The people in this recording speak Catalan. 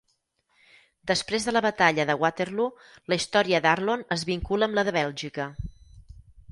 Després de la batalla de Waterloo, la història d'Arlon es vincula amb la de Bèlgica.